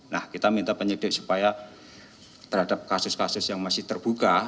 nah kita minta penyidik supaya terhadap kasus kasus yang masih terbuka